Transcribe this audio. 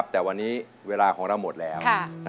แต่วันนี้เวลาของเราหมดแล้ว